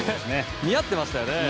似合ってましたよね。